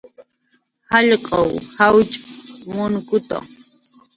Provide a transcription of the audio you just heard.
Jallq'uw jawch' munkutu